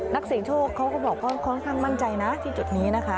นักเสียงโชคเขาก็บอกว่าค่อนข้างมั่นใจนะที่จุดนี้นะคะ